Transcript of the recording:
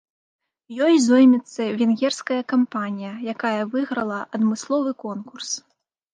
Ёй зоймецца венгерская кампанія, якая выйграла адмысловы конкурс.